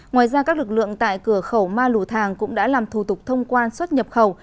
ngoài ra các lực lượng tại cửa khẩu ma lù thàng cũng đã làm thủ tục thông quan xuất nhập khẩu